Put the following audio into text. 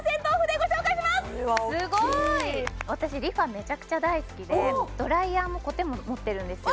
めちゃくちゃ大好きでドライヤーもコテも持ってるんですよ